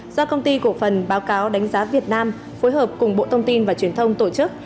do công ty cổ phần báo cáo đánh giá việt nam phối hợp cùng bộ thông tin và truyền thông tổ chức